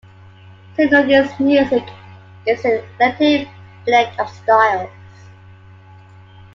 Ciconia's music is an eclectic blend of styles.